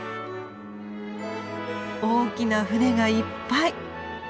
大きな船がいっぱい。